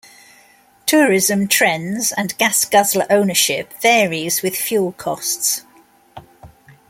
Tourism trends and gas-guzzler ownership varies with fuel costs.